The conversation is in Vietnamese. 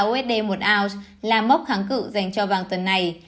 một chín trăm hai mươi ba usd một ounce là mốc kháng cự dành cho vàng tuần này